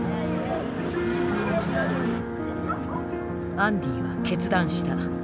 アンディは決断した。